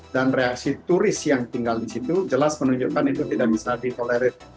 dan reaksi turis yang tinggal di situ jelas menunjukkan itu tidak bisa ditolerir